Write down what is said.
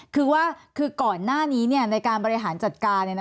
คือว่าคือก่อนหน้านี้ในการบริหารจัดการ